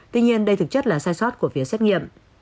tuy nhiên đây thực chất là sai sót của phía xét nghiệm